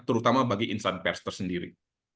terutama bagi insan pers tersendiri